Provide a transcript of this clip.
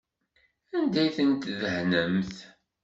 Anda ay ten-tdehnemt?